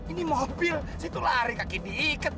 ini mobil situ lari kakinya diiket